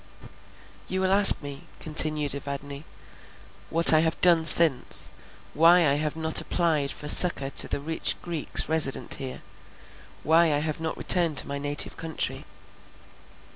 "You will ask me," continued Evadne, "what I have done since; why I have not applied for succour to the rich Greeks resident here; why I have not returned to my native country?